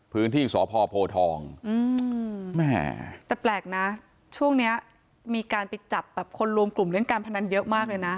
พื้นที่สพโพทองแหมแต่แปลกนะช่วงนี้มีการไปจับแบบคนรวมกลุ่มเล่นการพนันเยอะมากเลยนะ